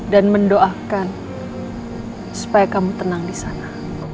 dan mendoakan supaya kamu tenang di sana